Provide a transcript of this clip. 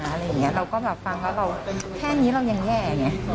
อะไรอย่างนี้เราก็ฟังว่าแค่นี้เรายังแย่